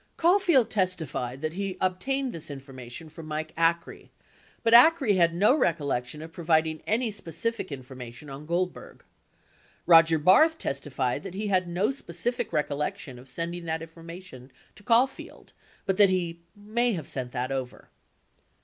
Caulfield testified that he obtained this information from Mike Acree, but Acree had no recollection of providing any specific infor mation on Goldberg. 43 Roger Barth testified that he had no specific recollection of sending that information to Caulfield, but that he "may have sent that over."